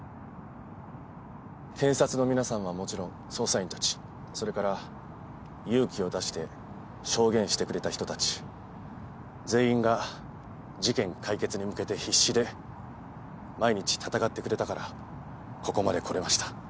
検察の皆さんはもちろん、捜査員たち、それから勇気を出して証言してくれた人たち、全員が事件解決に向けて必死で毎日戦ってくれたから、ここまでこれました。